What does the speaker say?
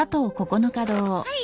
はい。